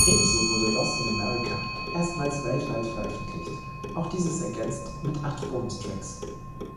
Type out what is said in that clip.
Ebenso wurde "Lost In America" erstmals weltweit veröffentlicht, auch dieses ergänzt mit acht Bonustracks.